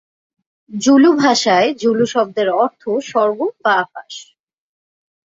Zulu ভাষঅয় "Zulu" শব্দের অর্থ "স্বর্গ" বা "আকাশ"।